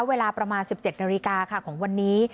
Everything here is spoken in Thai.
เวลาประมาณ๑๗นาฬิกาค่ะของวันนี้